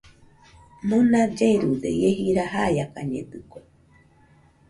Mona lleride ie jira jaiakañedɨkue